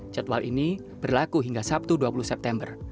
jadwal ini berlaku hingga sabtu dua puluh september